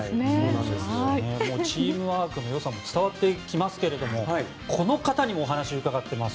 チームワークのよさも伝わってきますけれどもこの方にもお話を伺ってます。